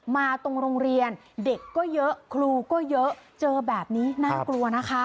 มาตรงโรงเรียนเด็กก็เยอะครูก็เยอะเจอแบบนี้น่ากลัวนะคะ